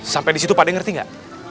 sampai disitu pade ngerti ga